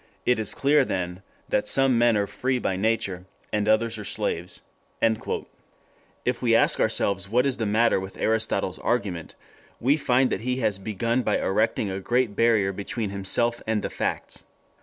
It is clear then that some men are free by nature, and others are slaves. ..." If we ask ourselves what is the matter with Aristotle's argument, we find that he has begun by erecting a great barrier between himself and the facts.